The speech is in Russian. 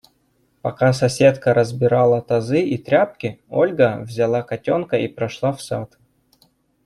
Пока соседка разбирала тазы и тряпки, Ольга взяла котенка и прошла в сад.